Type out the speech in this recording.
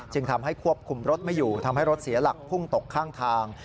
จึงทำให้ควบคุมรถไม่อยู่ทำให้รถเสียหลักพุ่งตกข้างทาง